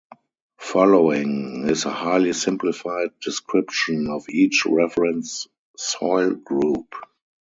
Following is a highly simplified description of each reference soil group.